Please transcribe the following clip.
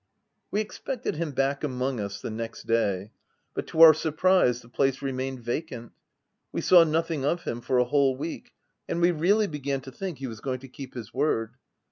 " We expected him back among us the next day ; but to our surprise, the place remained vacant : we saw nothing of him for a whole week ; and we really began to think he was going to keep his word.